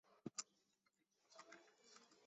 小臭鼩为鼩鼱科臭鼩属的动物。